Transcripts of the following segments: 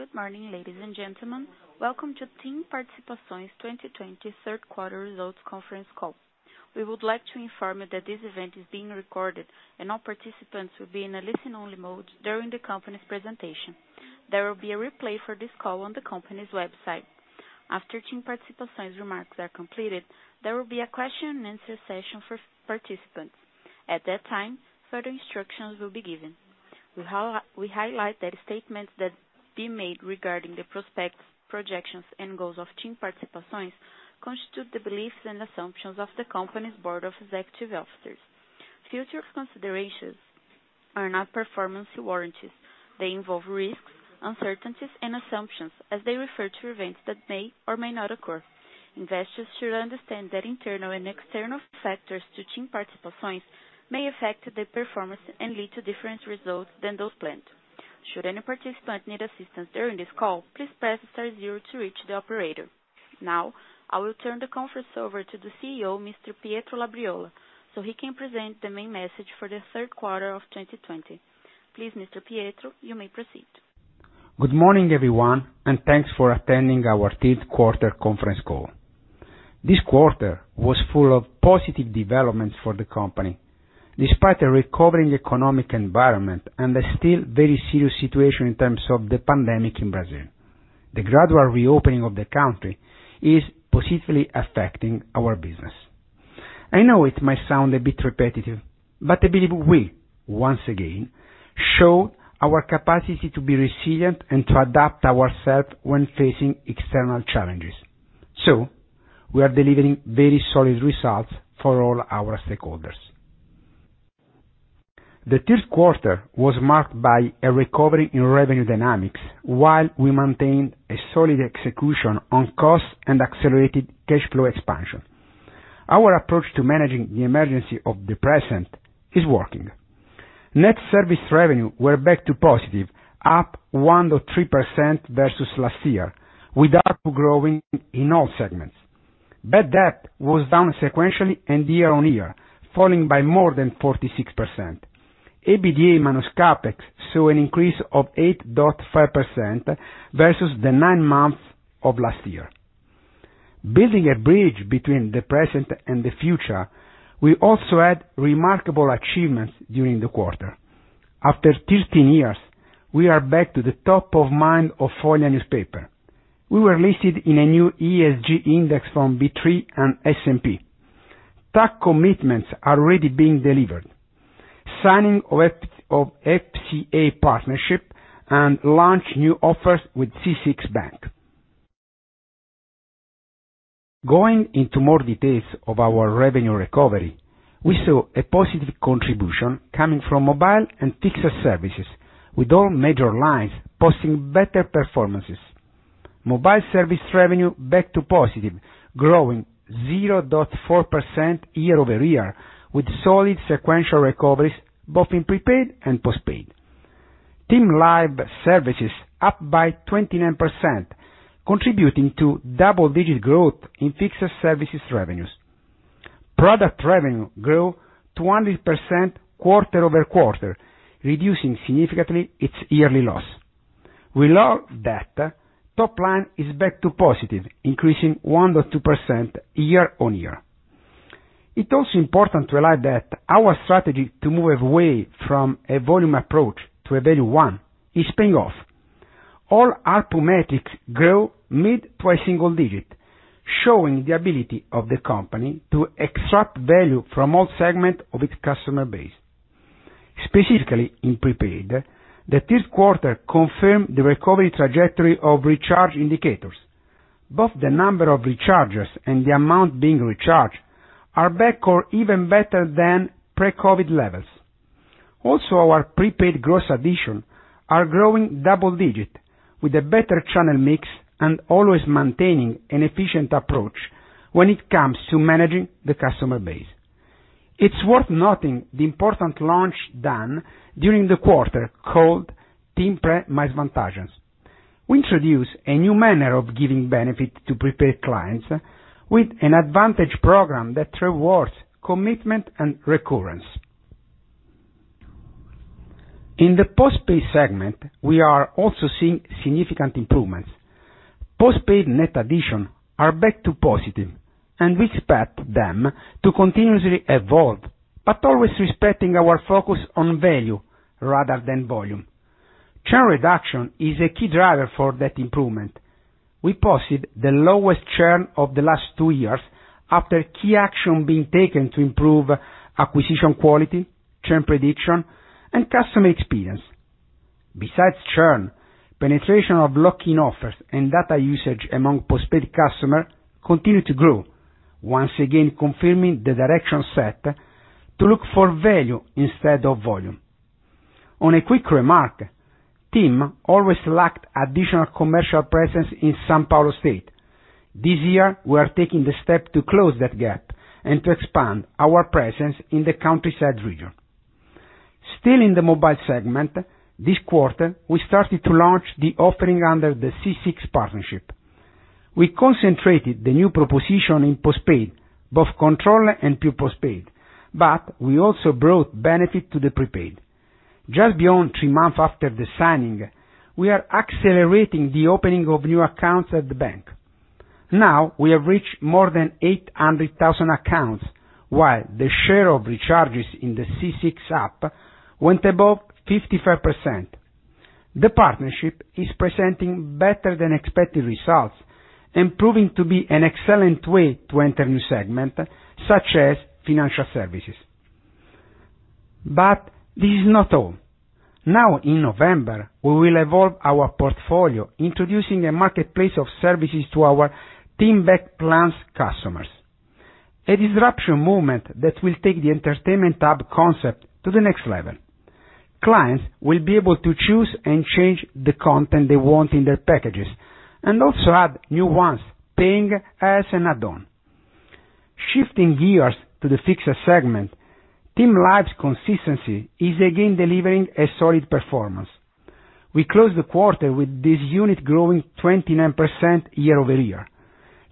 Good morning, ladies and gentlemen. Welcome to TIM Participações 2020 third quarter results conference call. We would like to inform you that this event is being recorded, and all participants will be in a listen-only mode during the company's presentation. There will be a replay for this call on the company's website. After TIM Participações remarks are completed, there will be a question and answer session for participants. At that time, further instructions will be given. We highlight that statements that be made regarding the prospects, projections, and goals of TIM Participações constitute the beliefs and assumptions of the company's board of executive officers. Future considerations are not performance warranties. They involve risks, uncertainties, and assumptions as they refer to events that may or may not occur. Investors should understand that internal and external factors to TIM Participações may affect their performance and lead to different results than those planned. Should any participant need assistance during this call, please press star zero to reach the operator. I will turn the conference over to the CEO, Mr. Pietro Labriola, so he can present the main message for the third quarter of 2020. Please, Mr. Pietro, you may proceed. Good morning, everyone, and thanks for attending our third quarter conference call. This quarter was full of positive developments for the company, despite a recovering economic environment and a still very serious situation in terms of the pandemic in Brazil. The gradual reopening of the country is positively affecting our business. I know it might sound a bit repetitive. I believe we, once again, show our capacity to be resilient and to adapt ourselves when facing external challenges. We are delivering very solid results for all our stakeholders. The third quarter was marked by a recovery in revenue dynamics while we maintained a solid execution on cost and accelerated cash flow expansion. Our approach to managing the emergency of the present is working. Net service revenue were back to positive, up 1.3% versus last year, with ARPU growing in all segments. Bad debt was down sequentially and year-on-year, falling by more than 46%. EBITDA minus CapEx saw an increase of 8.5% versus the nine months of last year. Building a bridge between the present and the future, we also had remarkable achievements during the quarter. After 13 years, we are back to the top-of-mind of Folha de S.Paulo. We were listed in a new ESG index from B3 and S&P. Tax commitments are already being delivered. Signing of FCA partnership and launch new offers with C6 Bank. Going into more details of our revenue recovery, we saw a positive contribution coming from mobile and fixed services, with all major lines posting better performances. Mobile service revenue back to positive, growing 0.4% year-over-year, with solid sequential recoveries both in prepaid and postpaid. TIM Live services up by 29%, contributing to double-digit growth in fixed-service revenues. Product revenue grew 20% quarter-over-quarter, reducing significantly its yearly loss. We love that top line is back to positive, increasing 1.2% year-on-year. It's also important to highlight that our strategy to move away from a volume approach to a value one is paying off. All ARPU metrics grow mid to a single-digit, showing the ability of the company to extract value from all segment of its customer base. Specifically in prepaid, the third quarter confirmed the recovery trajectory of recharge indicators. Both the number of recharges and the amount being recharged are back or even better than pre-COVID levels. Our prepaid gross additions are growing double-digit with a better channel mix and always maintaining an efficient approach when it comes to managing the customer base. It's worth noting the important launch done during the quarter called TIM Pré Mais Vantagens. We introduced a new manner of giving benefit to prepaid clients with a TIM Mais Vantagens program that rewards commitment and recurrence. In the postpaid segment, we are also seeing significant improvements. Postpaid net additions are back to positive, and we expect them to continuously evolve, always respecting our focus on value rather than volume. Churn reduction is a key driver for that improvement. We posted the lowest churn of the last two years after key action being taken to improve acquisition quality, churn prediction, and customer experience. Besides churn, penetration of lock-in offers and data usage among postpaid customers continue to grow, once again confirming the direction set to look for value instead of volume. On a quick remark, TIM always lacked additional commercial presence in São Paulo state. This year, we are taking the step to close that gap and to expand our presence in the countryside region. Still in the mobile segment, this quarter, we started to launch the offering under the C6 partnership. We concentrated the new proposition in postpaid, both control and prepaid, but we also brought benefit to the prepaid. Just beyond three months after the signing, we are accelerating the opening of new accounts at the bank. Now we have reached more than 800,000 accounts, while the share of recharges in the C6 app went above 55%. The partnership is presenting better than expected results and proving to be an excellent way to enter new segment, such as financial services. This is not all. Now in November, we will evolve our portfolio introducing a marketplace of services to our TIM Black plans customers. A disruption movement that will take the entertainment tab concept to the next level. Clients will be able to choose and change the content they want in their packages and also add new ones, paying as an add-on. Shifting gears to the fixed segment, TIM Live's consistency is again delivering a solid performance. We closed the quarter with this unit growing 29% year-over-year.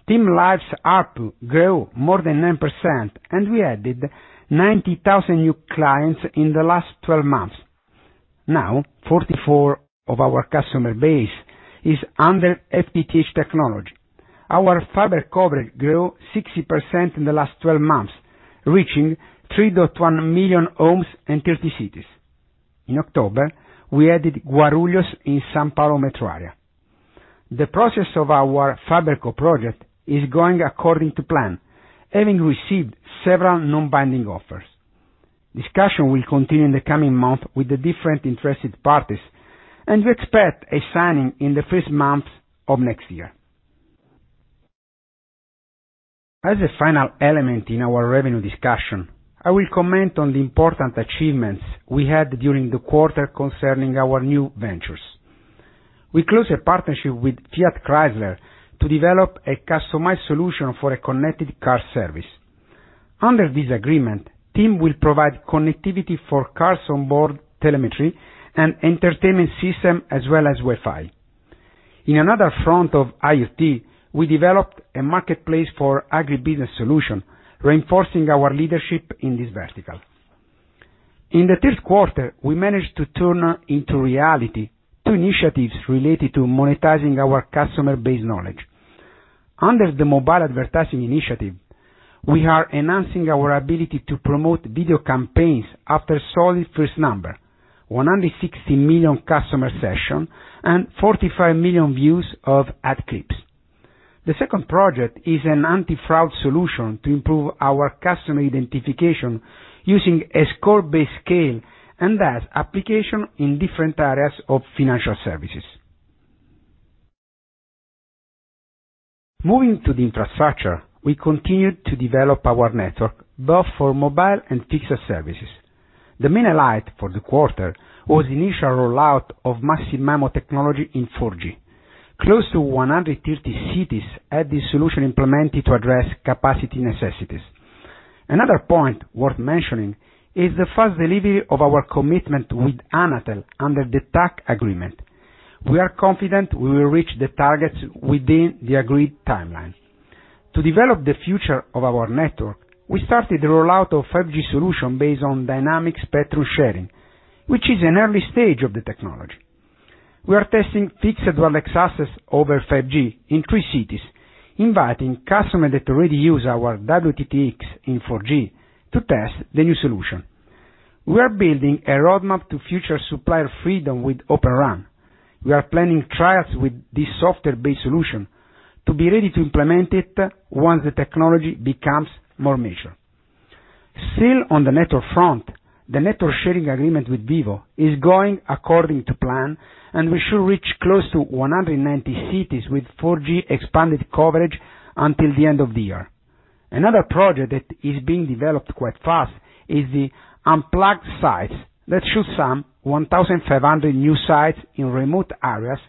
TIM Live's ARPU grew more than 9% and we added 90,000 new clients in the last 12 months. Now, 44% of our customer base is under FTTH technology. Our fiber coverage grew 60% in the last 12 months, reaching 3.1 million homes in 30 cities. In October, we added Guarulhos in São Paulo metro area. The process of our fiber co-project is going according to plan, having received several non-binding offers. Discussion will continue in the coming month with the different interested parties, and we expect a signing in the first month of next year. As a final element in our revenue discussion, I will comment on the important achievements we had during the quarter concerning our new ventures. We closed a partnership with Fiat Chrysler to develop a customized solution for a connected car service. Under this agreement, TIM will provide connectivity for cars on board telemetry and entertainment system, as well as Wi-Fi. In another front of IoT, we developed a marketplace for agribusiness solution, reinforcing our leadership in this vertical. In the third quarter, we managed to turn into reality two initiatives related to monetizing our customer base knowledge. Under the mobile advertising initiative, we are enhancing our ability to promote video campaigns after solid first number, 160 million customer sessions and 45 million views of ad clips. The second project is an anti-fraud solution to improve our customer identification using a score-based scale and thus application in different areas of financial services. Moving to the infrastructure, we continued to develop our network both for mobile and fixed services. The main highlight for the quarter was initial rollout of Massive MIMO technology in 4G. Close to 130 cities had this solution implemented to address capacity necessities. Another point worth mentioning is the fast delivery of our commitment with Anatel under the TAC agreement. We are confident we will reach the targets within the agreed timeline. To develop the future of our network, we started the rollout of 5G solution based on dynamic spectrum sharing, which is an early stage of the technology. We are testing fixed access over 5G in three cities, inviting customers that already use our WTTX in 4G to test the new solution. We are building a roadmap to future supplier freedom with Open RAN. We are planning trials with this software-based solution to be ready to implement it once the technology becomes more mature. Still on the network front, the network sharing agreement with Vivo is going according to plan, and we should reach close to 190 cities with 4G expanded coverage until the end of the year. Another project that is being developed quite fast is the unplugged sites that should sum 1,500 new sites in remote areas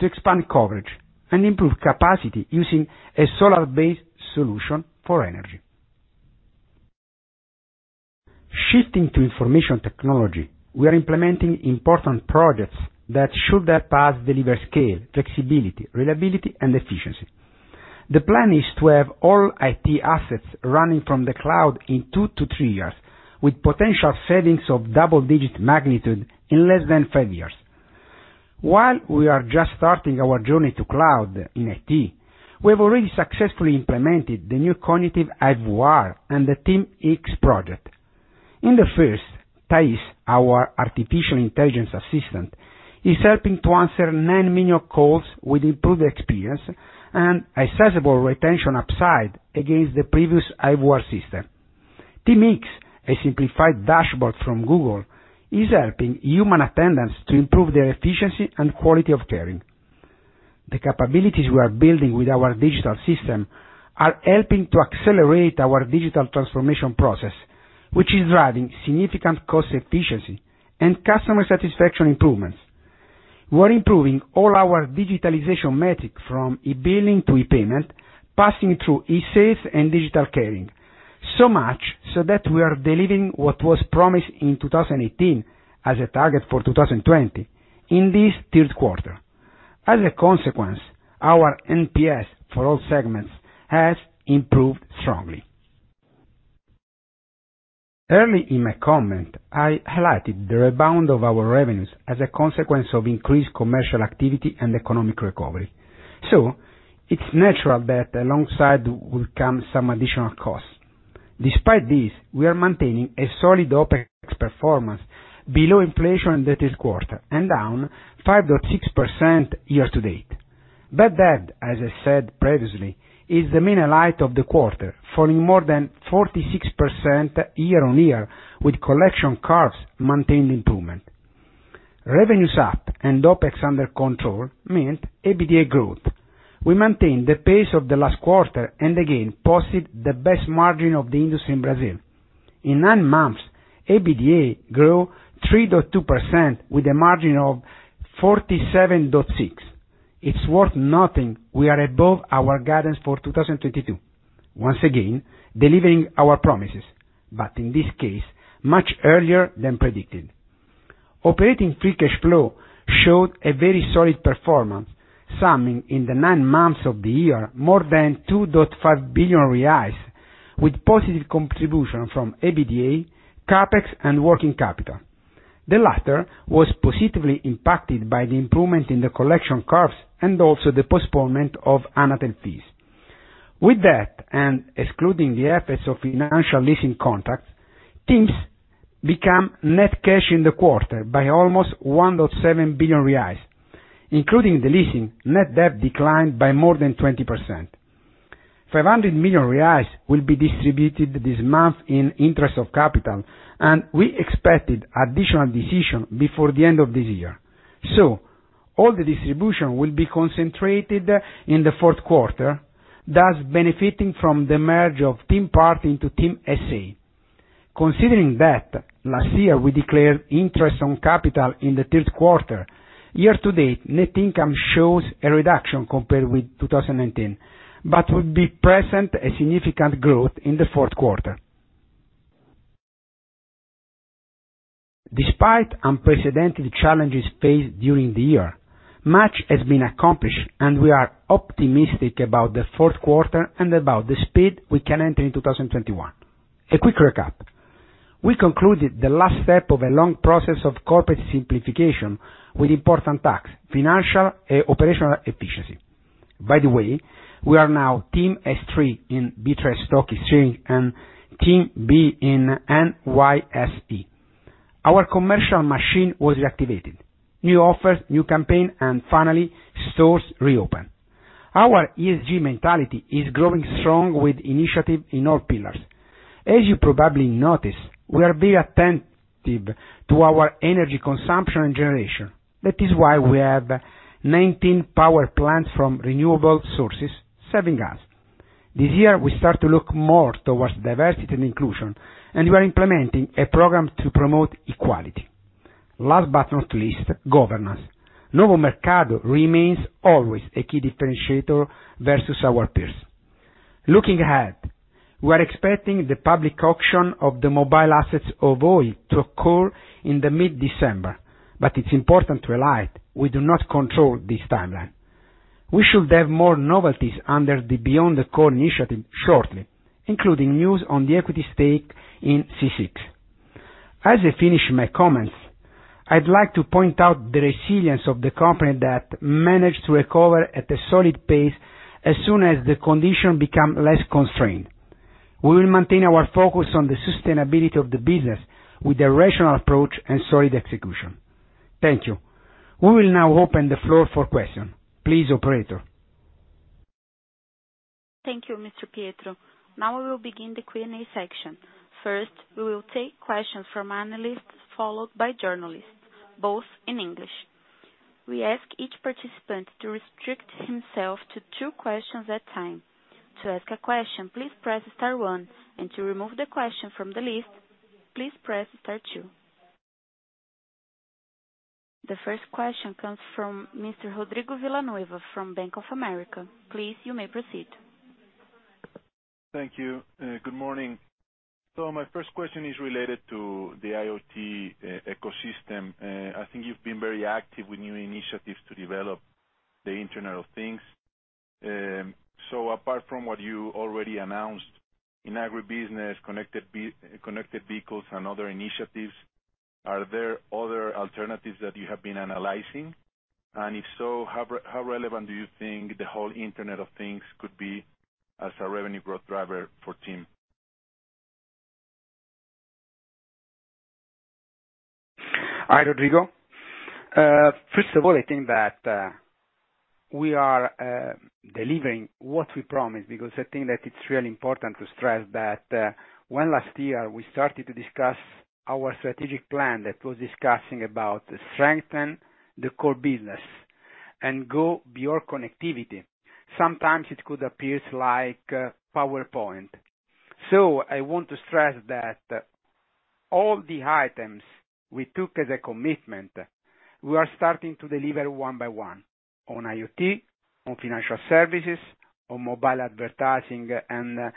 to expand coverage and improve capacity using a solar-based solution for energy. Shifting to information technology, we are implementing important projects that should help us deliver scale, flexibility, reliability, and efficiency. The plan is to have all IT assets running from the cloud in two to three years, with potential savings of double-digit magnitude in less than five years. While we are just starting our journey to cloud in IT, we have already successfully implemented the new cognitive IVR and the TIM X project. In the first, TAIS, our artificial intelligence assistant, is helping to answer 9 million calls with improved experience and a sizable retention upside against the previous IVR system. TIM X, a simplified dashboard from Google, is helping human attendants to improve their efficiency and quality of caring. The capabilities we are building with our digital system are helping to accelerate our digital transformation process, which is driving significant cost efficiency and customer satisfaction improvements. We're improving all our digitalization metrics from e-billing to e-payment, passing through e-sales and digital caring. So much so that we are delivering what was promised in 2018 as a target for 2020 in this third quarter. As a consequence, our NPS for all segments has improved strongly. Early in my comment, I highlighted the rebound of our revenues as a consequence of increased commercial activity and economic recovery. It's natural that alongside will come some additional costs. Despite this, we are maintaining a solid OPEX performance below inflation in that this quarter and down 5.6% year-to-date. Bad debt, as I said previously, is the main highlight of the quarter, falling more than 46% year-on-year with collection curves maintaining improvement. Revenues up and OPEX under control meant EBITDA growth. We maintained the pace of the last quarter and again, posted the best margin of the industry in Brazil. In nine months, EBITDA grew 3.2% with a margin of 47.6%. It's worth noting we are above our guidance for 2022. Once again, delivering our promises, in this case, much earlier than predicted. Operating free cash flow showed a very solid performance, summing in the nine months of the year more than 2.5 billion reais with positive contribution from EBITDA, CapEx, and working capital. The latter was positively impacted by the improvement in the collection curves and also the postponement of Anatel fees. With that, and excluding the effects of financial leasing contracts, TIM become net cash in the quarter by almost 1.7 billion reais. Including the leasing, net debt declined by more than 20%. 500 million reais will be distributed this month in Interest on Capital, and we expected additional decision before the end of this year. All the distribution will be concentrated in the fourth quarter, thus benefiting from the merge of TIM Part into TIM S.A. Considering that last year we declared Interest on Capital in the third quarter, year to date, net income shows a reduction compared with 2019, but would be present a significant growth in the fourth quarter. Despite unprecedented challenges faced during the year, much has been accomplished and we are optimistic about the fourth quarter and about the speed we can enter in 2021. A quick recap. We concluded the last step of a long process of corporate simplification with important tax, financial, and operational efficiency. By the way, we are now TIMS3 in B3 stock exchange and TIMB in NYSE. Our commercial machine was reactivated. New offers, new campaign, and finally stores reopen. Our ESG mentality is growing strong with initiative in all pillars. As you probably noticed, we are very attentive to our energy consumption and generation. That is why we have 19 power plants from renewable sources saving us. This year, we start to look more towards diversity and inclusion, and we are implementing a program to promote equality. Last but not least, governance. Novo Mercado remains always a key differentiator versus our peers. Looking ahead, we are expecting the public auction of the mobile assets of Oi to occur in the mid-December. It's important to highlight, we do not control this timeline. We should have more novelties under the Beyond the Core initiative shortly, including news on the equity stake in CSX. As I finish my comments, I'd like to point out the resilience of the company that managed to recover at a solid pace as soon as the condition become less constrained. We will maintain our focus on the sustainability of the business with a rational approach and solid execution. Thank you. We will now open the floor for question. Please, operator. Thank you, Mr. Pietro. Now we will begin the Q&A section. First, we will take questions from analysts, followed by journalists, both in English. We ask each participant to restrict himself to two questions at a time. To ask a question, please press star one. To remove the question from the list, please press star two. The first question comes from Mr. Rodrigo Villanueva from Bank of America. Please, you may proceed. Thank you. Good morning. My first question is related to the IoT ecosystem. I think you've been very active with new initiatives to develop the Internet of Things. Apart from what you already announced in agribusiness, connected vehicles and other initiatives, are there other alternatives that you have been analyzing? If so, how relevant do you think the whole Internet of Things could be as a revenue growth driver for TIM? Hi, Rodrigo. First of all, I think that we are delivering what we promised because I think that it's really important to stress that when last year we started to discuss our strategic plan that was discussing about strengthen the core business and go beyond connectivity. Sometimes it could appears like a PowerPoint. I want to stress that all the items we took as a commitment, we are starting to deliver one by one on IoT, on financial services, on mobile advertising, and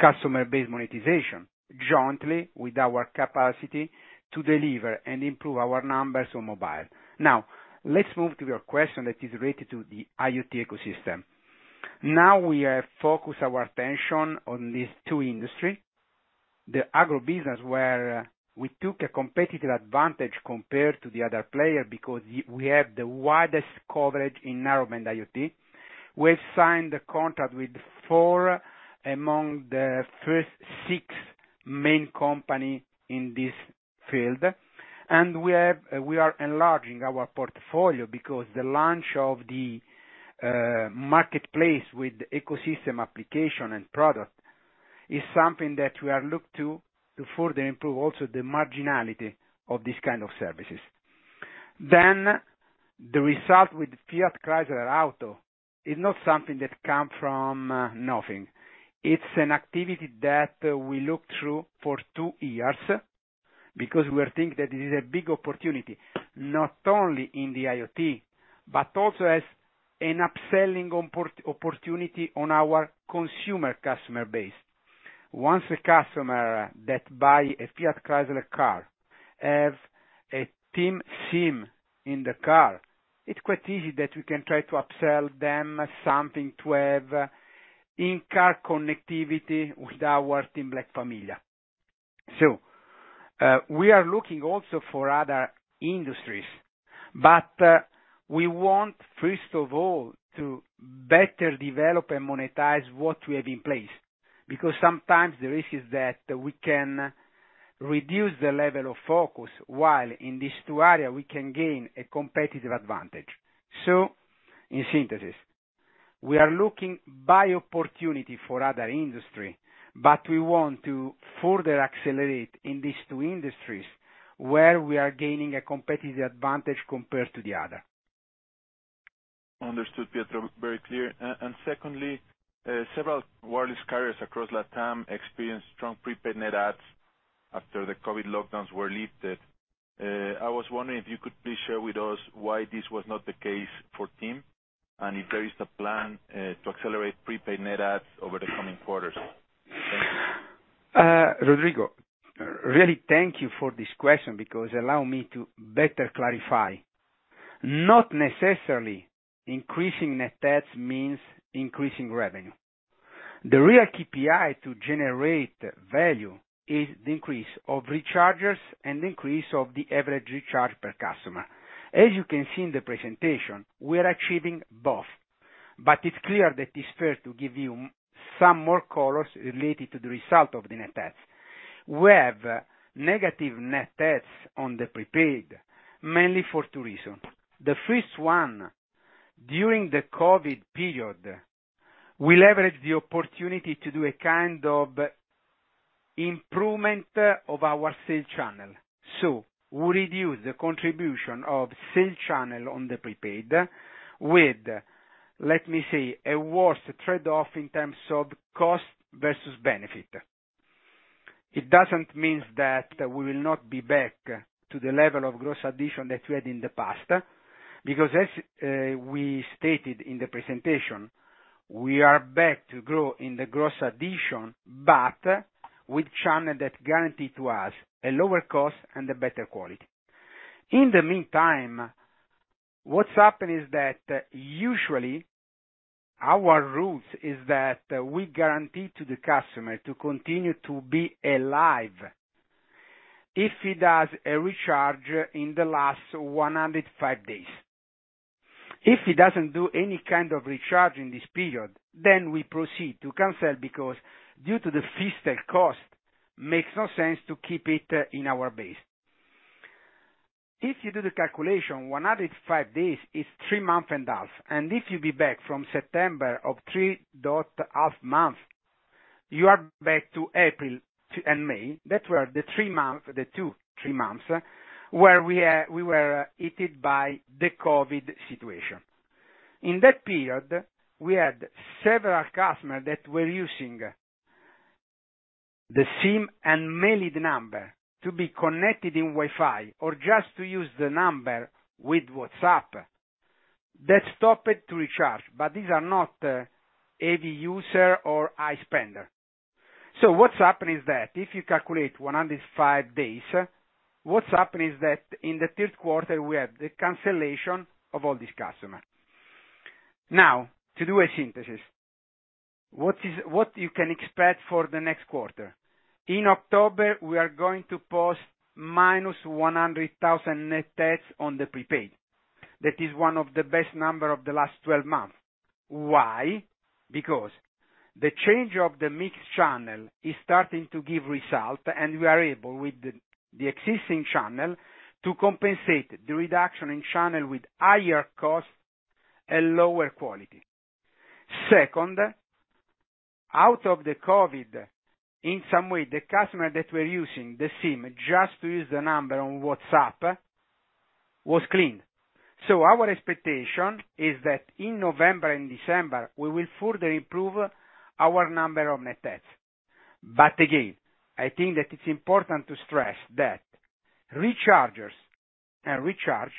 customer base monetization, jointly with our capacity to deliver and improve our numbers on mobile. Let's move to your question that is related to the IoT ecosystem. We have focused our attention on these two industry. The agribusiness, where we took a competitive advantage compared to the other player because we have the widest coverage in Narrowband IoT. We have signed the contract with four among the first six main company in this field, and we are enlarging our portfolio because the launch of the marketplace with ecosystem application and product is something that we are look to further improve also the marginality of this kind of services. The result with Fiat Chrysler Auto is not something that come from nothing. It's an activity that we look through for two years because we think that it is a big opportunity, not only in the IoT, but also as an upselling opportunity on our consumer customer base. Once a customer that buy a Fiat Chrysler car have a TIM SIM in the car, it's quite easy that we can try to upsell them something to have in-car connectivity with our TIM Black Família. We are looking also for other industries, but we want, first of all, to better develop and monetize what we have in place, because sometimes the risk is that we can reduce the level of focus, while in these two area, we can gain a competitive advantage. In synthesis, we are looking by opportunity for other industry, but we want to further accelerate in these two industries where we are gaining a competitive advantage compared to the other. Understood, Pietro. Very clear. Secondly, several wireless carriers across Latam experienced strong prepaid net adds after the COVID lockdowns were lifted. I was wondering if you could please share with us why this was not the case for TIM, and if there is a plan to accelerate prepaid net adds over the coming quarters. Rodrigo, really, thank you for this question because allow me to better clarify. Not necessarily increasing net adds means increasing revenue. The real KPI to generate value is the increase of recharges and the increase of the average recharge per customer. As you can see in the presentation, we are achieving both. It's clear that it's fair to give you some more colors related to the result of the net adds. We have negative net adds on the prepaid, mainly for two reasons. The first one, during the COVID period, we leveraged the opportunity to do a kind of improvement of our sales channel. We reduced the contribution of sales channel on the prepaid with, let me say, a worse trade-off in terms of cost versus benefit. It doesn't mean that we will not be back to the level of gross addition that we had in the past, because as we stated in the presentation, we are back to grow in the gross addition, but with channel that guarantee to us a lower cost and a better quality. In the meantime, what's happened is that usually our rules is that we guarantee to the customer to continue to be alive if he does a recharge in the last 105 days. If he doesn't do any kind of recharge in this period, we proceed to cancel because due to the fixed cost, makes no sense to keep it in our base. If you do the calculation, 105 days is three month and a half. If you be back from September of three and a half months, you are back to April and May. That were the two, three months where we were hit by the COVID situation. In that period, we had several customers that were using the SIM and mailing number to be connected in Wi-Fi or just to use the number with WhatsApp. That stopped to recharge, but these are not heavy user or high spender. What's happened is that if you calculate 105 days, what's happened is that in the third quarter, we have the cancellation of all these customers. Now, to do a synthesis. What you can expect for the next quarter? In October, we are going to post -100,000 net adds on the prepaid. That is one of the best number of the last 12 months. Why? The change of the mixed channel is starting to give result, and we are able with the existing channel to compensate the reduction in channel with higher cost and lower quality. Second, out of the COVID, in some way, the customer that were using the SIM just to use the number on WhatsApp was clean. Our expectation is that in November and December, we will further improve our number of net adds. Again, I think that it's important to stress that rechargers and recharge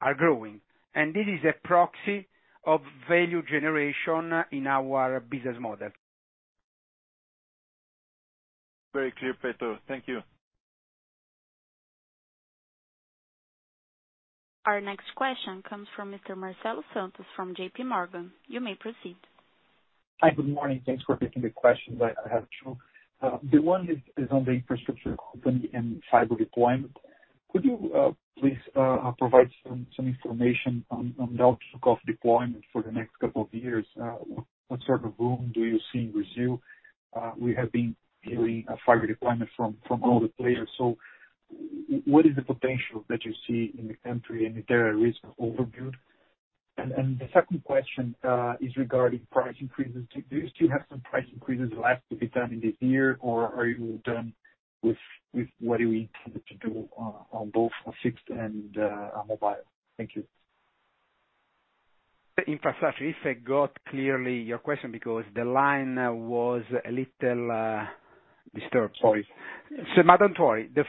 are growing, and this is a proxy of value generation in our business model. Very clear, Pietro. Thank you. Our next question comes from Mr. Marcelo Santos from JPMorgan. You may proceed. Hi, good morning. Thanks for taking the questions. I have two. The one is on the infrastructure company and fiber deployment. Could you, please provide some information on the outlook of deployment for the next couple of years? What sort of boom do you see in Brazil? We have been hearing a fiber deployment from all the players, so what is the potential that you see in the country, and is there a risk of overbuild? The second question, is regarding price increases. Do you still have some price increases left to be done in this year, or are you done with what you intended to do on both on fixed and mobile? Thank you. Infrastructure. If I got clearly your question because the line was a little disturbed. Sorry. No, don't worry. The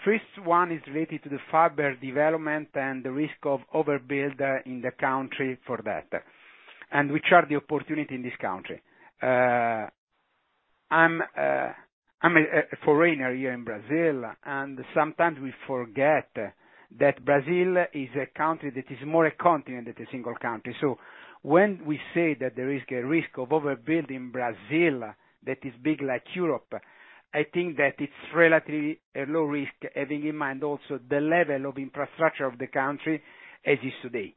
first one is related to the fiber development and the risk of overbuild in the country for that, and which are the opportunity in this country. I'm a foreigner here in Brazil, and sometimes we forget that Brazil is a country that is more a continent than a single country. When we say that there is a risk of overbuild in Brazil, that is big like Europe, I think that it's relatively a low risk, having in mind also the level of infrastructure of the country as is today.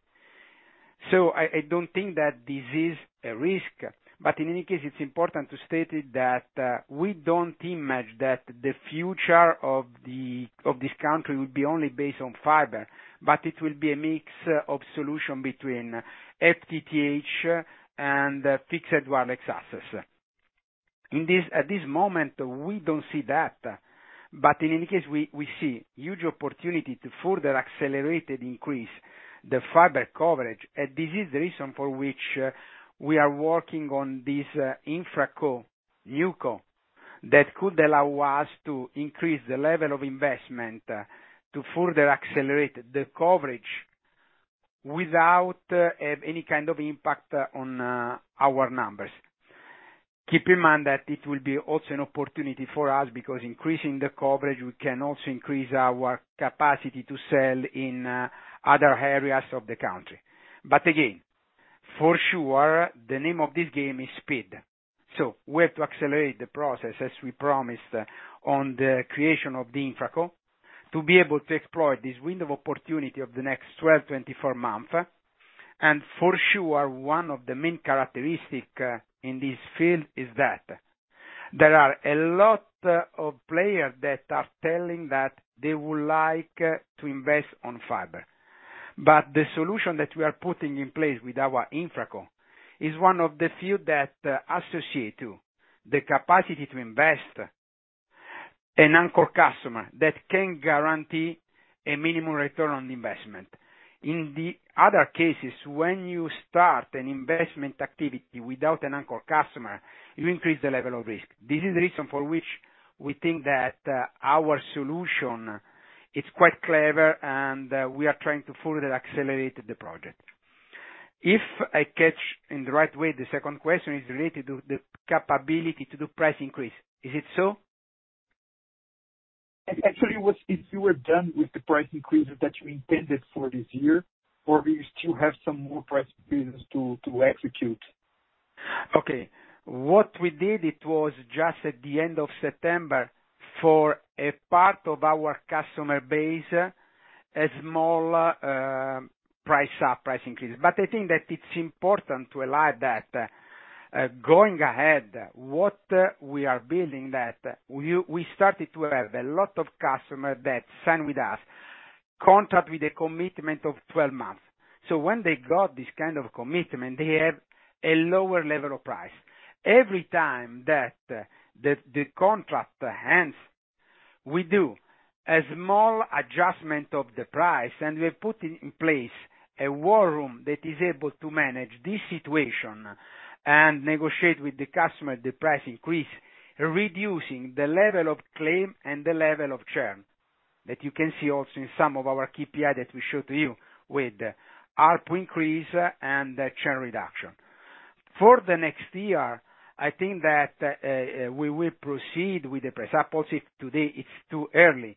I don't think that this is a risk. In any case, it's important to state it that we don't imagine that the future of this country will be only based on fiber, but it will be a mix of solution between FTTH and fixed wireless access. At this moment, we don't see that. In any case, we see huge opportunity to further accelerate and increase the fiber coverage, and this is the reason for which we are working on this infraco, newco, that could allow us to increase the level of investment to further accelerate the coverage without any kind of impact on our numbers. Keep in mind that it will be also an opportunity for us because increasing the coverage, we can also increase our capacity to sell in other areas of the country. Again, for sure, the name of this game is speed. We have to accelerate the process, as we promised, on the creation of the infraco, to be able to exploit this window of opportunity of the next 12-24 months. For sure, one of the main characteristic in this field is that there are a lot of players that are telling that they would like to invest on fiber. The solution that we are putting in place with our infraco is one of the few that associate to the capacity to invest an anchor customer that can guarantee a minimum return on investment. In the other cases, when you start an investment activity without an anchor customer, you increase the level of risk. This is the reason for which we think that our solution is quite clever, and we are trying to further accelerate the project. If I catch in the right way, the second question is related to the capability to do price increase. Is it so? Actually, it was if you were done with the price increases that you intended for this year, or do you still have some more price increases to execute? Okay. What we did, it was just at the end of September for a part of our customer base, a small price increase. I think that it's important to highlight that going ahead, what we are building that we started to have a lot of customers that sign with us contract with a commitment of 12 months. When they got this kind of commitment, they have a lower level of price. Every time that the contract ends, we do a small adjustment of the price, and we have put in place a war room that is able to manage this situation and negotiate with the customer the price increase, reducing the level of claim and the level of churn that you can see also in some of our KPI that we show to you with ARPU increase and the churn reduction. For the next year, I think that we will proceed with the price. Obviously, today it's too early.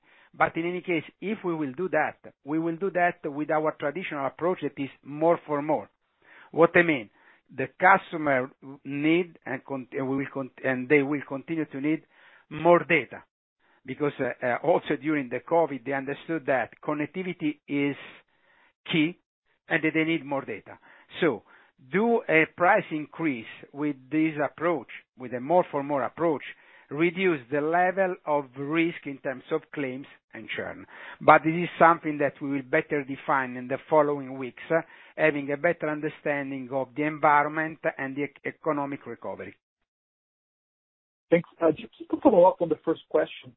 In any case, if we will do that, we will do that with our traditional approach that is more for more. What I mean, the customer need and they will continue to need more data because, also during the COVID, they understood that connectivity is key, and that they need more data. Do a price increase with this approach, with a more for more approach, reduce the level of risk in terms of claims and churn. This is something that we will better define in the following weeks, having a better understanding of the environment and the economic recovery. Thanks. Just to follow up on the first question,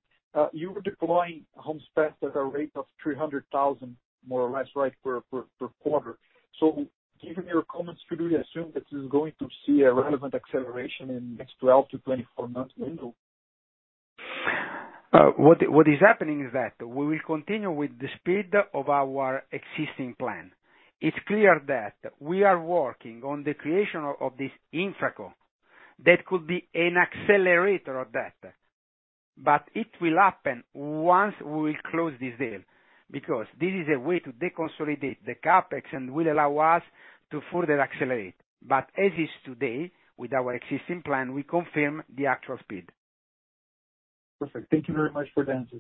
you were deploying homes passed at a rate of 300,000, more or less, right, per quarter. Given your comments, should we assume that this is going to see a relevant acceleration in the next 12- 24 months window? What is happening is that we will continue with the speed of our existing plan. It's clear that we are working on the creation of this infraco. That could be an accelerator of that, but it will happen once we close this deal. This is a way to deconsolidate the CapEx and will allow us to further accelerate. As is today, with our existing plan, we confirm the actual speed. Perfect. Thank you very much for the answer.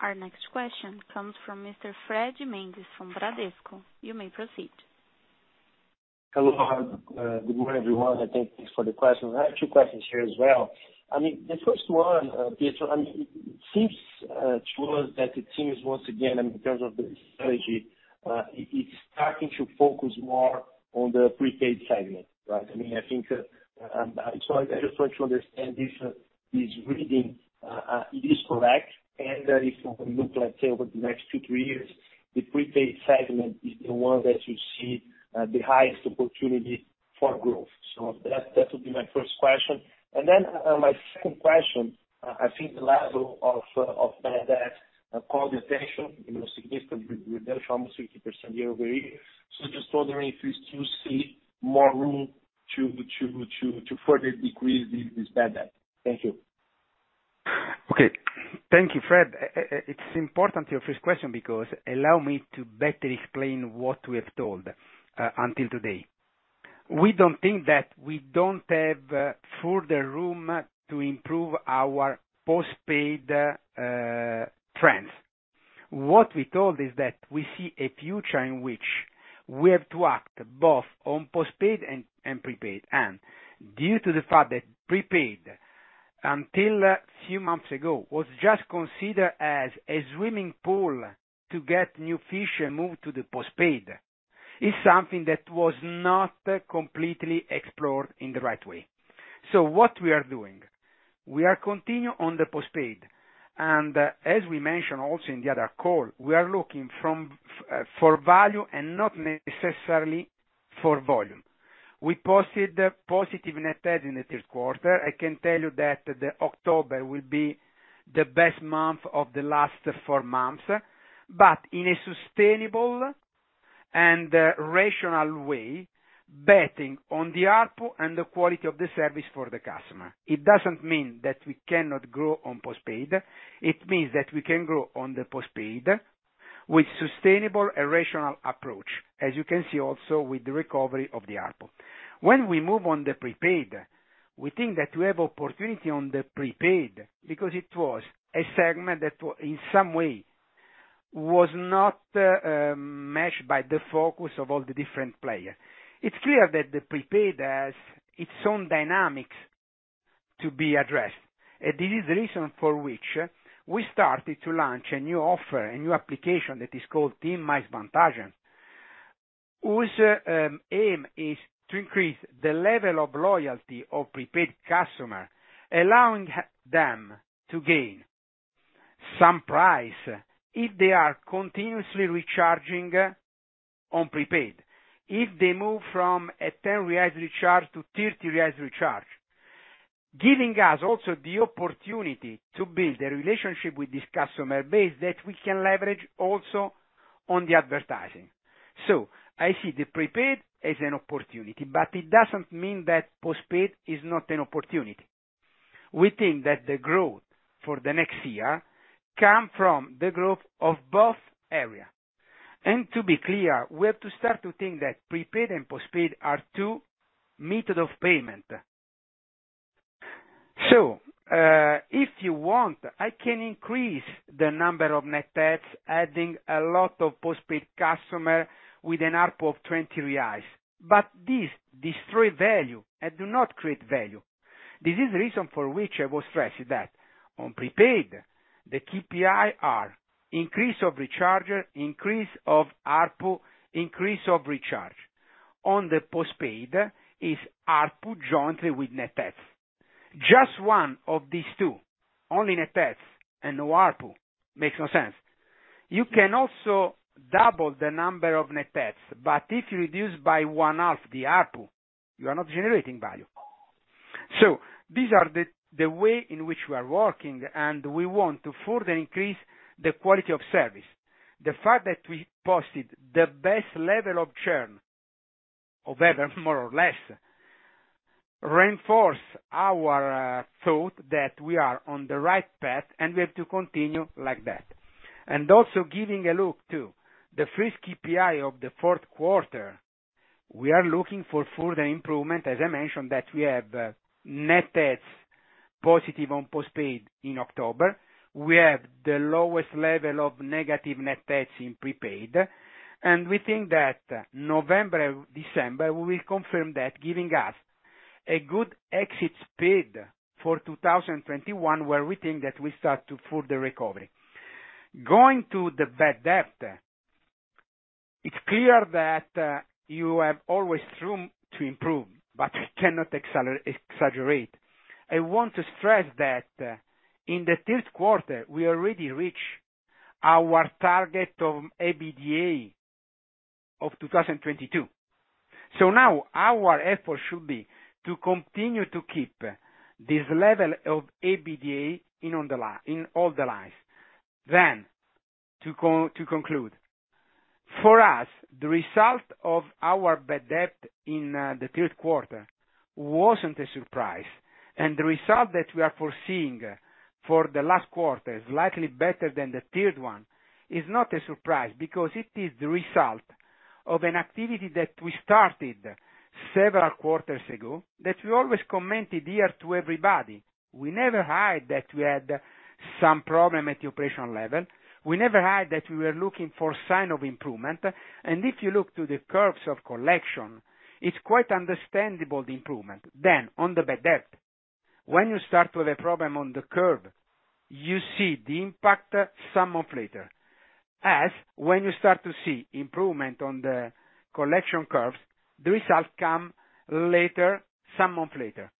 Our next question comes from Mr. Fred Mendes from Bradesco. You may proceed. Hello. Good morning, everyone. I thank you for the question. I have two questions here as well. The first one, Pietro, it seems to us that TIM is once again, in terms of the strategy, is starting to focus more on the prepaid segment, right? I just want to understand if this reading is correct, that if we look let's say over the next two, three years, the prepaid segment is the one that you see the highest opportunity for growth. That would be my first question. My second question, I think the level of bad debt called attention, significant reduction, almost 50% year-over-year. Just wondering if you still see more room to further decrease this bad debt. Thank you. Okay. Thank you, Fred. It's important, your first question, because allow me to better explain what we have told until today. We don't think that we don't have further room to improve our postpaid trends. What we told is that we see a future in which we have to act both on postpaid and prepaid, and due to the fact that prepaid, until a few months ago, was just considered as a swimming pool to get new fish and move to the postpaid, is something that was not completely explored in the right way. What we are doing, we are continuing on the postpaid, and as we mentioned also in the other call, we are looking for value and not necessarily for volume. We posted positive net add in the third quarter. I can tell you that October will be the best month of the last four months, but in a sustainable and rational way, betting on the ARPU and the quality of the service for the customer. It doesn't mean that we cannot grow on postpaid. It means that we can grow on the postpaid with sustainable and rational approach, as you can see also with the recovery of the ARPU. When we move on the prepaid, we think that we have opportunity on the prepaid because it was a segment that in some way was not matched by the focus of all the different players. It's clear that the prepaid has its own dynamics to be addressed. This is the reason for which we started to launch a new offer, a new application that is called TIM Mais Vantagens, whose aim is to increase the level of loyalty of prepaid customer, allowing them to gain some price if they are continuously recharging on prepaid. If they move from a 10 reais recharge to 30 reais recharge, giving us also the opportunity to build a relationship with this customer base that we can leverage also on the advertising. I see the prepaid as an opportunity, but it doesn't mean that postpaid is not an opportunity. We think that the growth for the next year come from the growth of both areas. To be clear, we have to start to think that prepaid and postpaid are two method of payment. If you want, I can increase the number of net adds, adding a lot of postpaid customers with an ARPU of 20 reais. This destroys value and does not create value. This is the reason for which I will stress that on prepaid, the KPI are increase of recharge, increase of ARPU, increase of recharge. On the postpaid, it's ARPU jointly with net adds. Just one of these two, only net adds and no ARPU, makes no sense. You can also double the number of net adds, but if you reduce by one half the ARPU, you are not generating value. These are the ways in which we are working, and we want to further increase the quality of service. The fact that we posted the best level of churn, or better, more or less, reinforces our thought that we are on the right path and we have to continue like that. Giving a look to the first KPI of the fourth quarter, we are looking for further improvement, as I mentioned, that we have net adds positive on postpaid in October. We have the lowest level of negative net adds in prepaid, we think that November, December, we will confirm that giving us a good exit speed for 2021, where we think that we start to further recovery. Going to the bad debt. It's clear that you have always room to improve, cannot exaggerate. I want to stress that in the third quarter, we already reached our target of EBITDA of 2022. Now our effort should be to continue to keep this level of EBITDA in all the lines. To conclude. For us, the result of our bad debt in the third quarter wasn't a surprise, and the result that we are foreseeing for the last quarter is slightly better than the third one is not a surprise because it is the result of an activity that we started several quarters ago that we always commented here to everybody. We never hide that we had some problem at the operational level. We never hide that we were looking for sign of improvement, and if you look to the curves of collection, it's quite understandable the improvement. On the bad debt, when you start with a problem on the curve, you see the impact some months later, as when you start to see improvement on the collection curves, the results come some months later.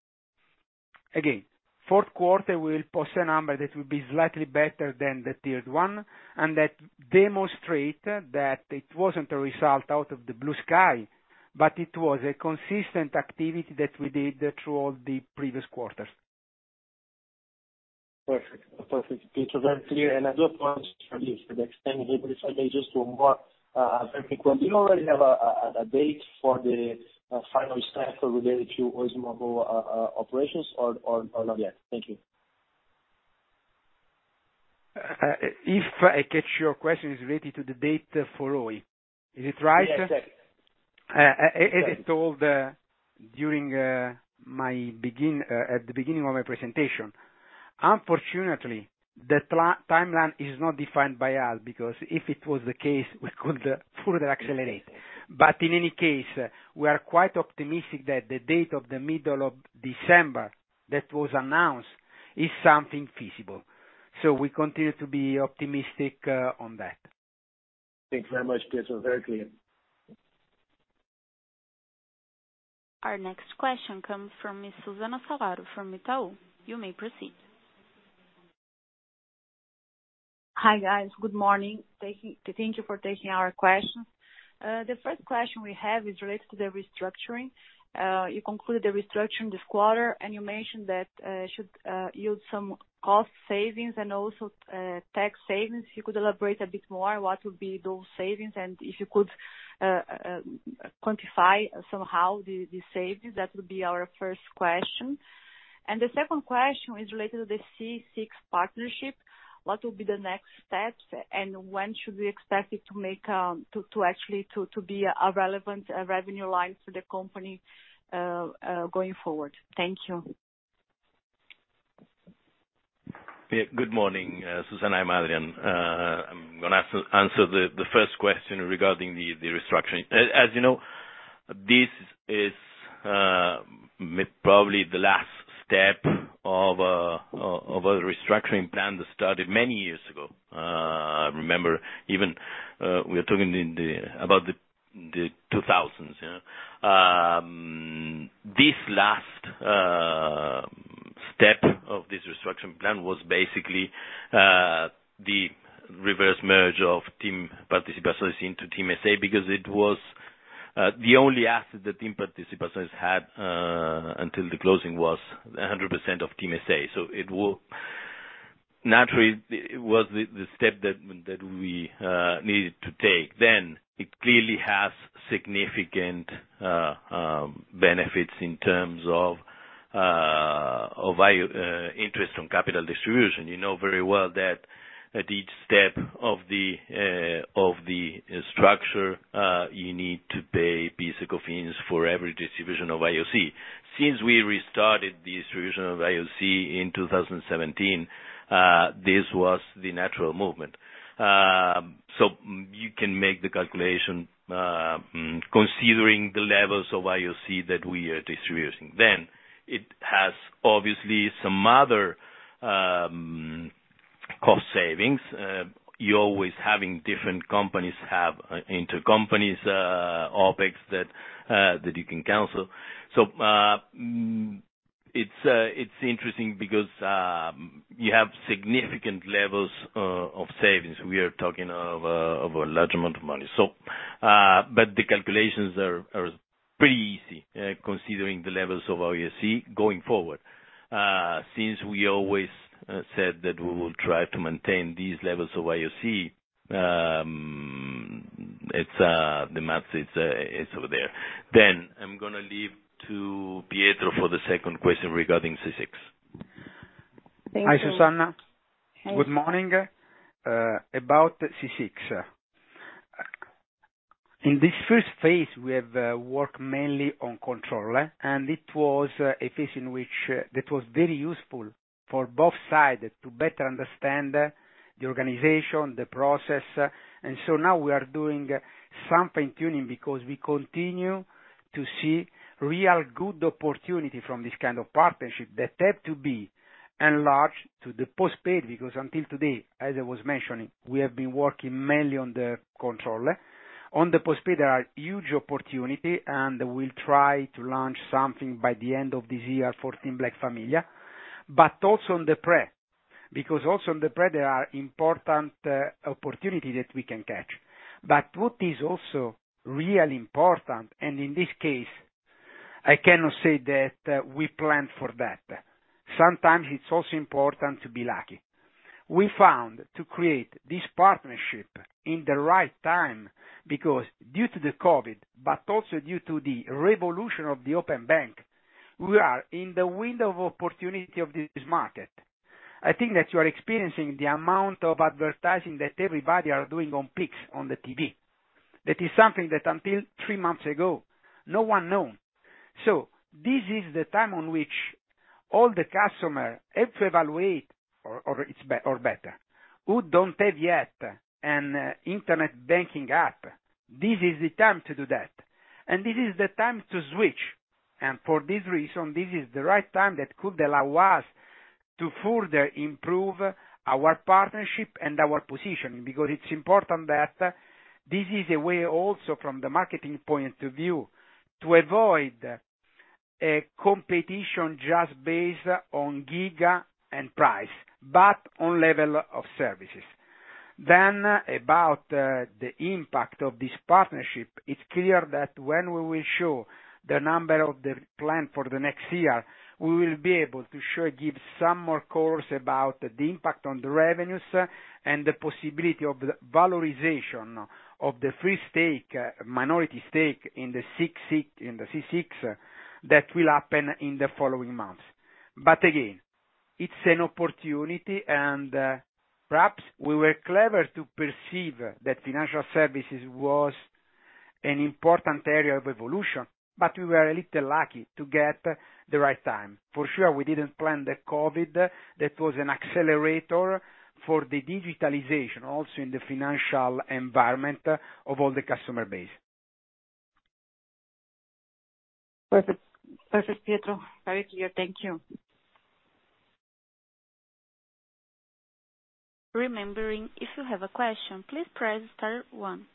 Fourth quarter will post a number that will be slightly better than the third one, and that demonstrate that it wasn't a result out of the blue sky, but it was a consistent activity that we did through all the previous quarters. Perfect, Pietro. Clear another point for you, for the extended verified agents to more specific one. Do you already have a date for the final step related to Oi's mobile operations or not yet? Thank you. If I catch your question is related to the date for Oi's. Is it right? Yes, exactly. As I told at the beginning of my presentation, unfortunately, the timeline is not defined by us, because if it was the case, we could further accelerate. In any case, we are quite optimistic that the date of the middle of December that was announced is something feasible. We continue to be optimistic on that. Thanks very much, Pietro. Very clear. Our next question comes from Ms. Susana Salaru from Itaú. You may proceed. Hi, guys. Good morning. Thank you for taking our questions. The first question we have is related to the restructuring. You concluded the restructuring this quarter, and you mentioned that it should yield some cost savings and also tax savings. If you could elaborate a bit more, what would be those savings, and if you could quantify somehow the savings, that would be our first question. The second question is related to the C6 partnership. What will be the next steps, and when should we expect it to actually be a relevant revenue line for the company going forward? Thank you. Good morning, Susana. I'm Adrian. I'm going to answer the first question regarding the restructuring. As you know, this is probably the last step of a restructuring plan that started many years ago. Remember, even we're talking about the 2000s. This last step of this restructuring plan was basically the reverse merge of TIM Participações into TIM SA, because it was the only asset that TIM Participações had until the closing was 100% of TIM SA. Naturally, it was the step that we needed to take. It clearly has significant benefits in terms of Interest on Capital distribution. You know very well that at each step of the structure, you need to pay basic tax for every distribution of IOC. Since we restarted the distribution of IOC in 2017, this was the natural movement. You can make the calculation, considering the levels of IOC that we are distributing. It has obviously some other cost savings. You're always having different companies have intercompanies OPEX that you can cancel. It's interesting because you have significant levels of savings. We are talking of a large amount of money. The calculations are pretty easy, considering the levels of IOC going forward. Since we always said that we will try to maintain these levels of IOC, the math is over there. I'm going to leave to Pietro for the second question regarding C6. Thank you. Hi, Susana. Hi. Good morning. About C6. In this first phase, we have worked mainly on control. It was a phase that was very useful for both sides to better understand the organization, the process. Now we are doing some fine-tuning because we continue to see real good opportunity from this kind of partnership that had to be enlarged to the postpaid. Until today, as I was mentioning, we have been working mainly on the control. On the postpaid, there are huge opportunity. We'll try to launch something by the end of this year for TIM Black Família. Also on the prep, there are important opportunity that we can catch. What is also really important. In this case, I cannot say that we planned for that. Sometimes it's also important to be lucky. We found to create this partnership in the right time, because due to the COVID, but also due to the revolution of the open bank, we are in the window of opportunity of this market. I think that you are experiencing the amount of advertising that everybody are doing on Pix, on the TV. That is something that until three months ago, no one knew. This is the time on which all the customer have to evaluate or better, who don't have yet an internet banking app. This is the time to do that, and this is the time to switch. For this reason, this is the right time that could allow us to further improve our partnership and our position, because it's important that this is a way also from the marketing point of view to avoid a competition just based on giga and price, but on level of services. About the impact of this partnership, it's clear that when we will show the number of the plan for the next year, we will be able to give some more course about the impact on the revenues and the possibility of the valorization of the free stake, minority stake in the C6 that will happen in the following months. Again, it's an opportunity and perhaps we were clever to perceive that financial services was an important area of evolution, but we were a little lucky to get the right time. For sure, we didn't plan the COVID. That was an accelerator for the digitalization, also in the financial environment of all the customer base. Perfect. Perfect, Pietro. Very clear. Thank you. Remembering, if you have a question, please press star one.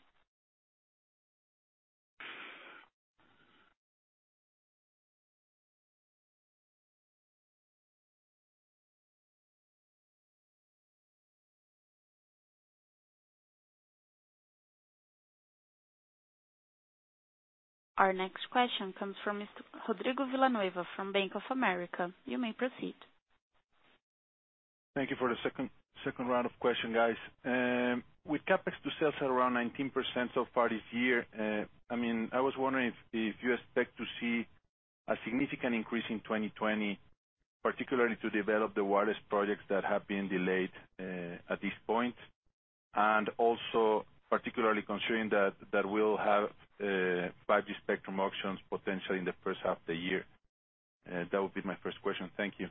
Our next question comes from Mr. Rodrigo Villanueva from Bank of America. You may proceed. Thank you for the second round of question, guys. With CapEx to sales at around 19% so far this year, I was wondering if you expect to see a significant increase in 2020, particularly to develop the wireless projects that have been delayed, at this point, and also particularly considering that we'll have 5G spectrum auctions potentially in the first half the year. That would be my first question. Thank you.